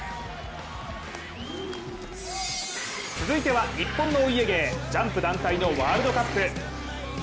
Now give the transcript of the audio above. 続いては、日本のお家芸ジャンプ団体のワールドカップ。